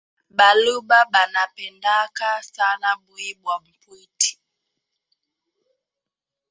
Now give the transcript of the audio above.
Baluba bana pendaka sana buyi bwa mpwiti